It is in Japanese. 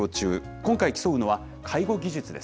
今回、競うのは介護技術です。